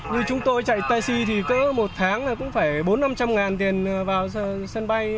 như chúng tôi chạy taxi thì có một tháng là cũng phải bốn trăm linh năm trăm linh ngàn tiền vào sân bay